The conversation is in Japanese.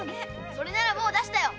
それならもう出したよ。